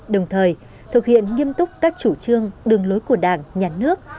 đồng thời thực hiện nghiêm túc các chủ trương đường lối của đảng nhà nước